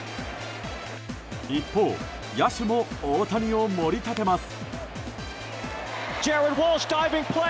一方、野手も大谷を盛り立てます。